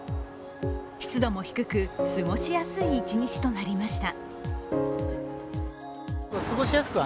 湿度も低く、過ごしやすい一日となりました。